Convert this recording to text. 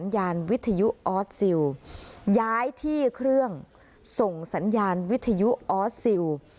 ย้ายที่เครื่องส่งสัญญาณวิทยุออสซิล